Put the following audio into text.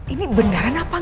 ini beneran apa